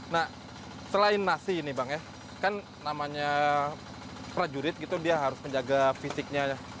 nah selain nasi ini bang ya kan namanya prajurit gitu dia harus menjaga fisiknya